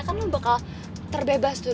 kan lo bakal terbebas tuh